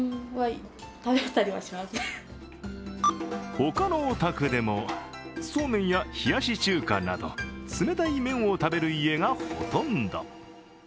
他のお宅でも、そうめんや冷やし中華など冷たい麺を食べる家がほとんど。